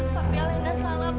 papi alena salah papi